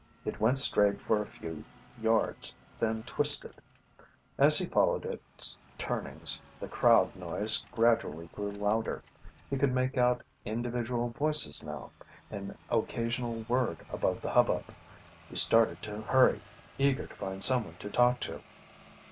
It went straight for a few yards, then twisted. As he followed its turnings the crowd noise gradually grew louder. He could make out individual voices now, an occasional word above the hubbub. He started to hurry, eager to find someone to talk to.